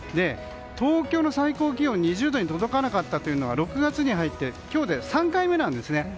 東京の最高気温が２０度に届かなかったのは６月に入って今日で３回目なんですね。